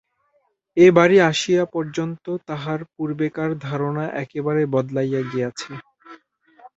এ বাড়ি আসিয়া পর্যন্ত তাহার পূর্বেকার ধারণা একেবারে বদলাইয়া গিয়াছে।